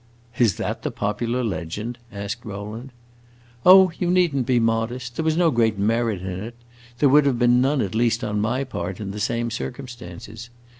"Is that the popular legend?" asked Rowland. "Oh, you need n't be modest. There was no great merit in it; there would have been none at least on my part in the same circumstances.